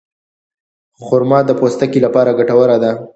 خرما د پوستکي لپاره ګټوره ده.